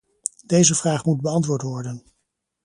Deze vraag moet beantwoord worden.